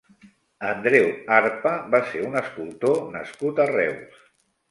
Andreu Arpa va ser un escultor nascut a Reus.